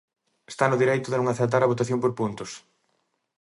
Está no dereito de non aceptar a votación por puntos.